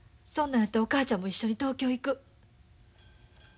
そんなんやったらお母ちゃんも一緒に東京へ行く。